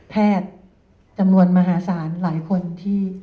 จำนวนมหาศาลหลายคนที่